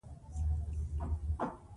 منی د افغانستان د ولایاتو په کچه توپیر لري.